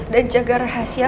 dan jaga rahasia